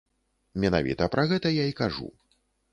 Менавіта пра гэта я і кажу.